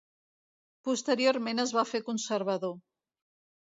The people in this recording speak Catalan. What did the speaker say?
Posteriorment es va fer conservador.